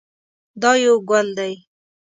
دا یو ګل دی.